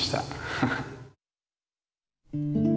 ハハッ。